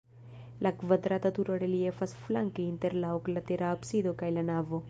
La kvadrata turo reliefas flanke inter la oklatera absido kaj la navo.